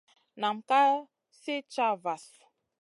Nam ka sli caha vahl.